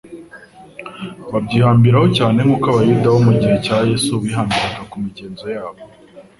Babyihambiraho cyane nk'uko abayuda bo mu gihe cya Yesu bihambiraga ku migenzo yabo.